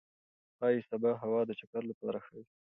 ښايي سبا هوا د چکر لپاره ښه وي.